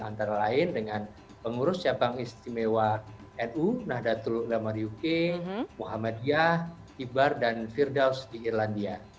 antara lain dengan pengurus cabang istimewa nu nahdlatul ulama dan firdaus di irlandia